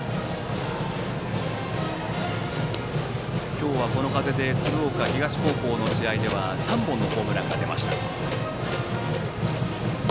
今日はこの風で鶴岡東高校の試合では３本のホームランが出ました。